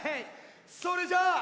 それじゃ。